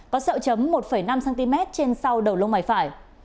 có sẹo chấm một năm cm trên sau đầu lông mày phải